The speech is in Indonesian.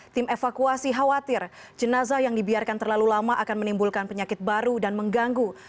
tim evakuasi khawatir jenazah yang dibiarkan terlalu lama akan menimbulkan penyakit baru dan mengganggu